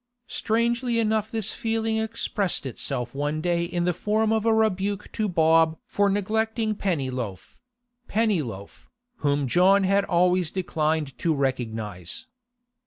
Strangely enough this feeling expressed itself one day in the form of a rebuke to Bob for neglecting Pennyloaf—Pennyloaf, whom John had always declined to recognise.